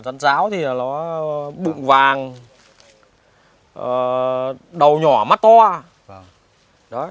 rắn ráo thì nó bụng vàng đầu nhỏ mắt to